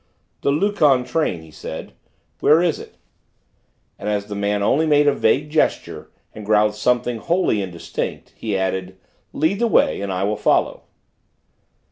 "The Luchon train," he said; "where is it?" and as the man only made a vague gesture and growled something wholly indistinct, he added: "Lead the way, and I will follow."